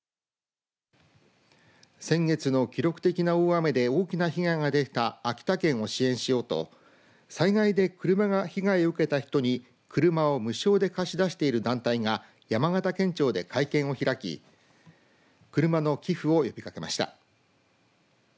先月の記録的な大雨で大きな被害が出た秋田県を支援しようと災害で車が被害を受けた人に車を無償で貸し出している団体が山形県庁で会見を開き車の寄付を呼びかけました。